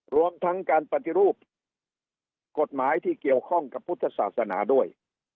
รวมทั้งการปฏิรูปกฎหมายที่เกี่ยวข้องกับพุทธศาสนาด้วย